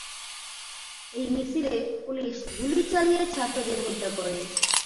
এ মিছিলে পুলিশ গুলি চালিয়ে ছাত্রদের হত্যা করে।